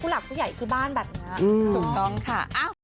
หลักผู้ใหญ่ที่บ้านแบบนี้ถูกต้องค่ะ